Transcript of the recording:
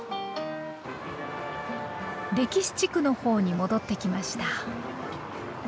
歴史地区の方に戻ってきました。